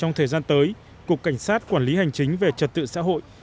trong thời gian tới cục cảnh sát quản lý hành chính về trật tự xã hội